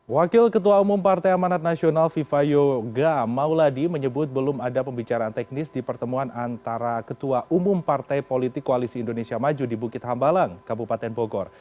wakil ketua umum partai amanat nasional viva yoga mauladi menyebut belum ada pembicaraan teknis di pertemuan antara ketua umum partai politik koalisi indonesia maju di bukit hambalang kabupaten bogor